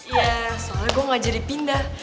ya soalnya gue ngajarin pindah